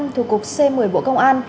thuộc c một mươi bộ công an